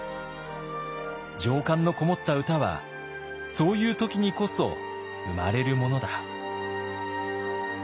情感のこもった歌はそういう時にこそ生まれるものだ」。